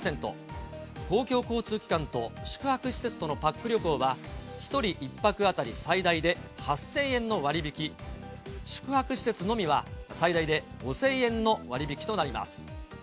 公共交通機関と宿泊施設とのパック旅行は、１人１泊当たり最大で８０００円の割引、宿泊施設のみは、最大で５０００円の割引となります。